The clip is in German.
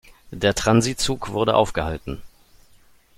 Der Transitzug wurde aufgehalten.